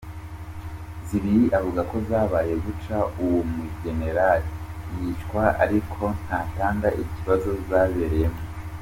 Zibiri avuga ko zabaye buca uwo mu general yicwa ariko ntatanga ikibanza zabereyemwo.